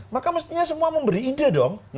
maka mestinya semua memberi ide dong